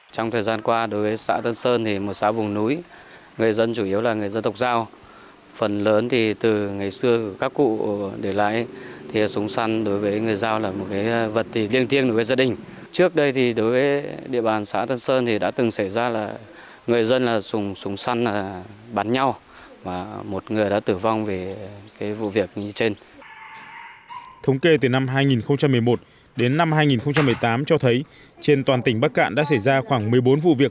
thống kê từ năm hai nghìn một mươi một đến năm hai nghìn một mươi tám cho thấy trên toàn tỉnh bắc cạn đã xảy ra khoảng một mươi bốn vụ việc